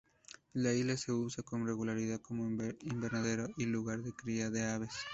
La isla se usa con regularidad como invernadero y lugar de cría de aves.